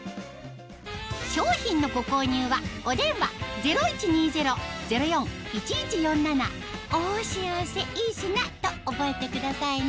商品のご購入はお電話０１２０−０４−１１４７と覚えてくださいね